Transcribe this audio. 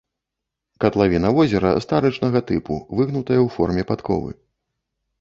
Катлавіна возера старычнага тыпу, выгнутая ў форме падковы.